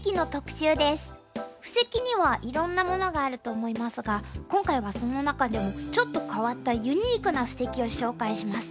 布石にはいろんなものがあると思いますが今回はその中でもちょっと変わったユニークな布石を紹介します。